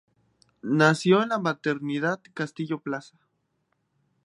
Nació en la maternidad Castillo Plaza.